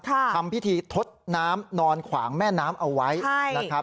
ทำพิธีทดน้ำนอนขวางแม่น้ำเอาไว้นะครับ